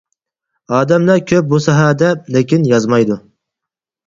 ئادەملەر كۆپ بۇ ساھەدە، لېكىن يازمايدۇ.